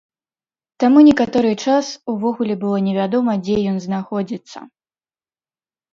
Таму некаторы час увогуле было невядома, дзе ён знаходзіцца.